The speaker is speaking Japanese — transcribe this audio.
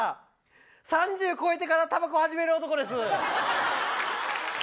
３０超えてからタバコ始める男です。